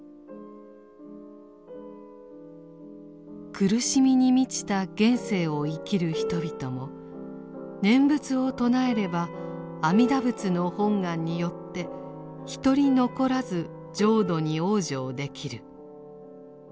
苦しみに満ちた現世を生きる人々も念仏を唱えれば阿弥陀仏の本願によってひとり残らず浄土に往生できる。